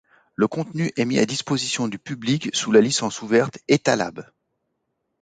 Le contenu est mis à disposition du public sous la licence ouverte Etalab.